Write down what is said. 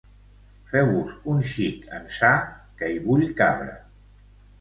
Feu-vos un xic ençà, que hi vull cabre